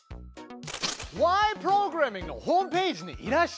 プログラミング」のホームページにいらっしゃい！